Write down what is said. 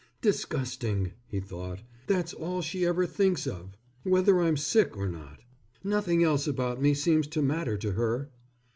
"Disgusting," he thought. "That's all she ever thinks of, whether I'm sick or not. Nothing else about me seems to matter to her."